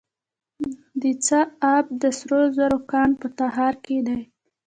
د چاه اب د سرو زرو کان په تخار کې دی